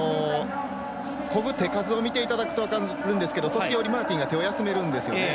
こぐ、手数を見ていただくと分かるんですが時折マーティンが手を休めるんですよね。